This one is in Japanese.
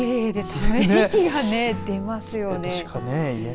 ため息が出ますよね。